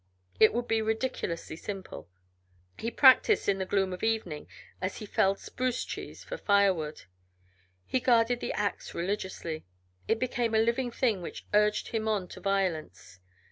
It would be ridiculously simple. He practiced in the gloom of evening as he felled spruce trees for firewood; he guarded the ax religiously; it became a living thing which urged him on to violence.